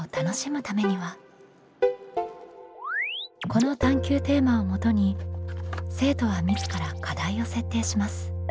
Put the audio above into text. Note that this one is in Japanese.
この探究テーマをもとに生徒は自ら課題を設定します。